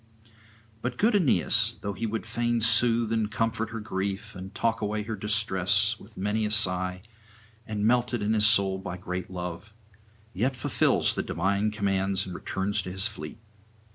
But good Aeneas, though he would fain soothe and comfort her grief, and talk away her distress, with many a sigh, and melted in soul by his great love, yet fulfils the divine commands and returns to his fleet.